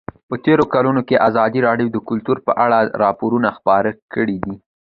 په تېرو کلونو کې ازادي راډیو د کلتور په اړه راپورونه خپاره کړي دي.